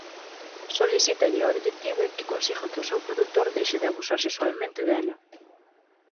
Solicítalle ó detective que consiga que o seu produtor deixe de abusar sexualmente dela.